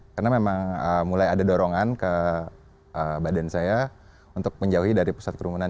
karena memang mulai ada dorongan ke badan saya untuk menjauhi dari pusat kerumunan